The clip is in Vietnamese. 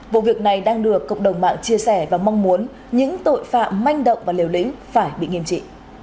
vụ việc này đang được cộng đồng mạng chia sẻ và mong muốn những tội phạm manh động và liều lĩnh phải bị nghiêm trị